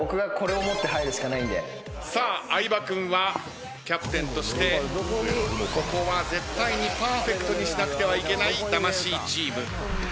さあ相葉君はキャプテンとしてここは絶対にパーフェクトにしなくてはいけない魂チーム。